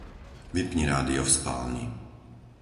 Vypni rádio v spálni.